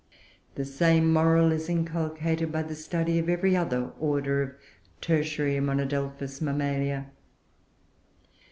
The same moral is inculcated by the study of every other order of Tertiary monodelphous Mammalia.